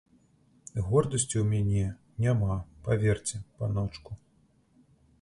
Гордасці ў мяне няма, паверце, паночку.